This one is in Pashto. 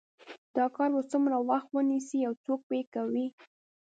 دا کار به څومره وخت ونیسي او څوک یې کوي